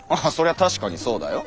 確かにそうだよ。